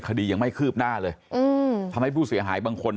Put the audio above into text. คดียังไม่คืบหน้าเลยอืมทำให้ผู้เสียหายบางคน